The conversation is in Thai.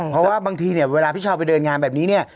เพราะว่าบางทีเนี่ยเวลาพี่ชาวไปเดินงานแบบนี้เนี่ย